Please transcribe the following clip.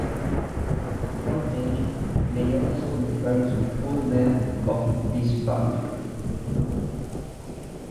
Frontage may also refer to the full length of this boundary.